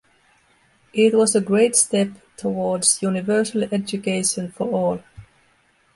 It was a great step towards universal education for all.